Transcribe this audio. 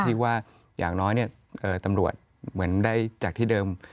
ที่ว่าอย่างน้อยตำรวจเหมือนได้จากที่เดิม